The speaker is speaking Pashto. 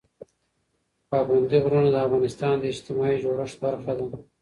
پابندي غرونه د افغانستان د اجتماعي جوړښت برخه ده.